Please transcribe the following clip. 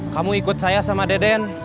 kamu ikut saya sama deden